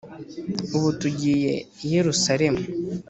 Ubu tugiye i yerusalemu